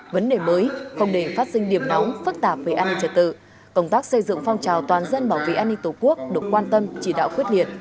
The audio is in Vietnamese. vấn đề mới không để phát sinh điểm nóng phức tạp về an ninh trả tự